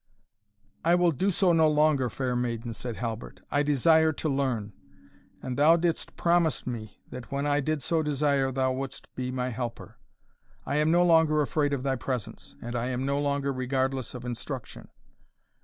"I will do so no longer, fair maiden," said Halbert; "I desire to learn; and thou didst promise me, that when I did so desire, thou wouldst be my helper; I am no longer afraid of thy presence, and I am no longer regardless of instruction."